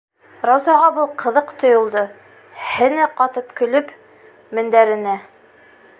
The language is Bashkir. Раузаға был ҡыҙыҡ тойолдо, һене ҡатып көлөп, мендәренә